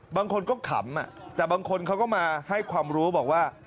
บางคนก็ขำแต่บางคนเขาก็มาให้ความรู้บอกว่า